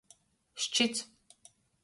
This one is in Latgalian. Ščits.